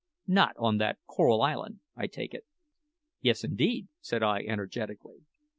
"Not on that Coral Island, I take it?" "Yes, indeed," said I energetically.